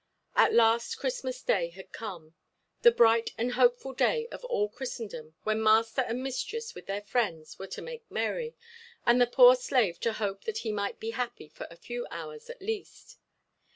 At last Christmas day had come—the bright and hopeful day of all Christendom when master and mistress with their friends were to make merry, and the poor slave to hope that he might be happy for a few hours at least.